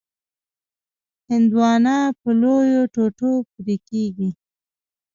هندوانه په لویو ټوټو پرې کېږي.